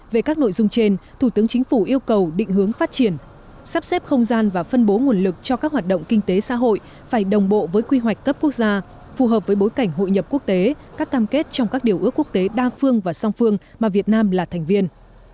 về các nội dung trên thủ tướng chính phủ yêu cầu định hướng phát triển sắp xếp không gian và phân bố nguồn lực cho các hoạt động kinh tế xã hội phải đồng bộ với quy hoạch cấp quốc gia phù hợp với bối cảnh hội nhập quốc tế các cam kết trong các điều ước quốc tế đa phương và song phương mà việt nam là thành viên